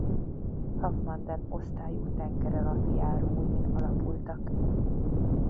Havmanden-osztályú tengeralattjáróin alapultak.